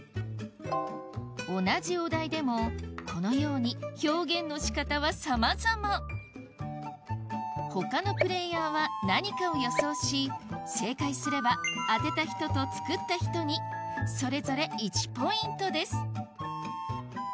同じお題でもこのように表現の仕方はさまざま他のプレーヤーは何かを予想し正解すれば当てた人と作った人にそれぞれ１ポイントです